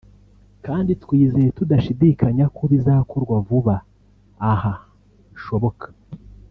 kandi twizeye tudashidikanya ko bizakorwa vuba aha bishoboka